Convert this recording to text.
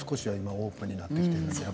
オープンになってきてるけど。